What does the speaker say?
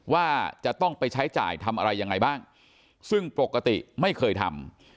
ว่าจะต้องไปใช้จ่ายทำอะไรยังไงบ้างซึ่งปกติไม่เคยทำ